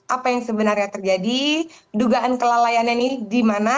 apa yang sebenarnya terjadi dugaan kelalaiannya ini di mana